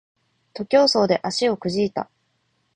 徒競走で足をくじいた